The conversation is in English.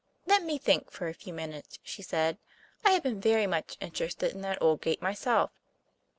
"Let me think for a few minutes," she said. "I have been very much interested in that old gate myself."